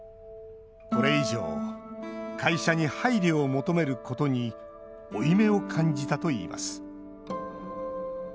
これ以上会社に配慮を求めることに負い目を感じたといいます。